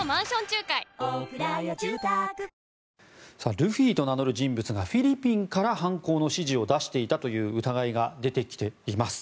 ルフィと名乗る人物がフィリピンから犯行の指示を出していたという疑いが出てきています。